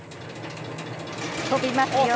飛びますよ。